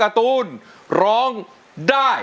อยากซื้อลำโพงเครื่องเสียง